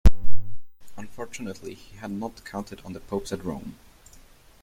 Unfortunately he had not counted on the popes at Rome.